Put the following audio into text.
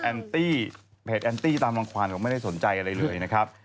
ตี้เพจแอนตี้ตามรังความก็ไม่ได้สนใจอะไรเลยนะครับ